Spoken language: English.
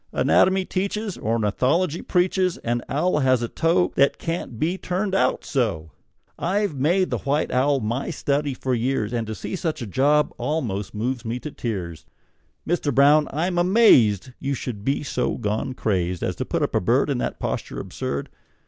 Anatomy teaches, Ornithology preaches An owl has a toe That can't turn out so! I've made the white owl my study for years, And to see such a job almost moves me to tears! Mister Brown, I'm amazed You should be so gone crazed As to put up a bird In that posture absurd!